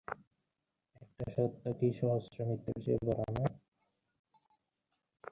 কীভাবে এটি ক্রিকেটের মঙ্গল বয়ে নিয়ে আসবে, সেটা আমাদের বোধগম্য নয়।